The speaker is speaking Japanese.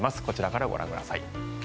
こちらからご覧ください。